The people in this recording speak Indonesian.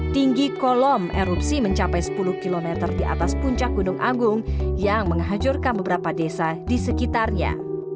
tinggi kolom erupsi mencapai sepuluh km di atas puncak gunung agung yang menghancurkan beberapa desa di sekitarnya